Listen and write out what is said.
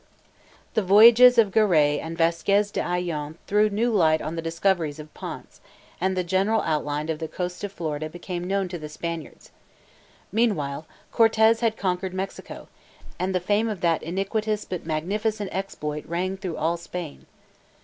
The voyages of Garay and Vasquez de Ayllon threw new light on the discoveries of Ponce, and the general outline of the coasts of Florida became known to the Spaniards. Meanwhile, Cortes had conquered Mexico, and the fame of that iniquitous but magnificent exploit rang through all Spain.